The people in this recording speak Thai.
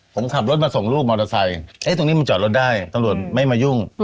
ผมขับรถมาส่งลูกมอเตอร์ไซค์ตรงนี้มันจอดรถได้ตำรวจไม่มายุ่ง